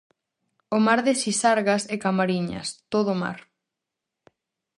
O mar de Sisargas e Camariñas, todo mar.